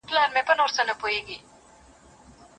اوس په کړوپه ملا درځمه جوړوم د قبرڅلي